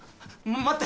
待って！